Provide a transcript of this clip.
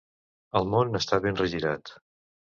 El món està ben regirat.